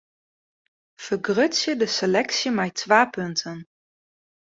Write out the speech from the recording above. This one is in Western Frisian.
Fergrutsje de seleksje mei twa punten.